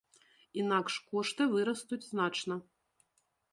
Інакш кошты вырастуць значна.